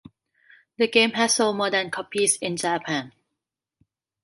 The game has sold more than copies in Japan.